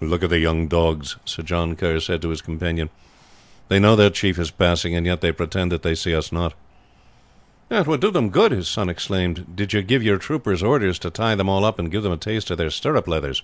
"Look at the young dogs," Sir John Kerr said to his companion. "They know that their chief is passing, and yet they pretend that they see us not." "It would do them good," his son exclaimed, "did you give your troopers orders to tie them all up and give them a taste of their stirrup leathers."